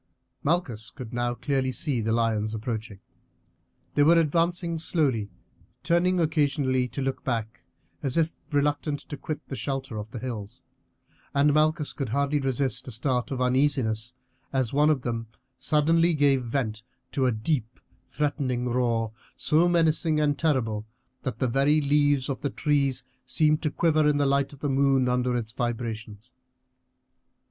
Malchus could now clearly see the lions approaching. They were advancing slowly, turning occasionally to look back as if reluctant to quit the shelter of the hills; and Malchus could hardly resist a start of uneasiness as one of them suddenly gave vent to a deep, threatening roar, so menacing and terrible that the very leaves of the trees seemed to quiver in the light of the moon under its vibrations.